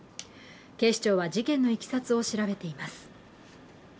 警視庁は事件のいきさつを調べています。